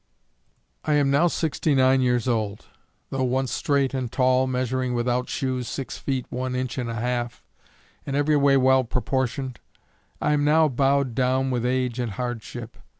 _ I am now sixty nine years old. Though once straight and tall, measuring without shoes six feet one inch and an half, and every way well proportioned, I am now bowed down with age and hardship.